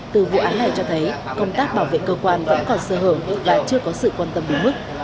từ vụ án này cho thấy công tác bảo vệ cơ quan vẫn còn sơ hở và chưa có sự quan tâm đúng mức